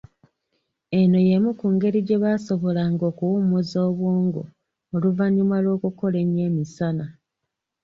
Eno y’emu ku ngeri gye baasobolanga okuwummuza obwongo oluvanyuma lw’okukola ennyo emisana.